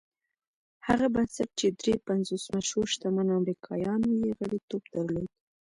هغه بنسټ چې دري پنځوس مشهورو شتمنو امريکايانو يې غړيتوب درلود.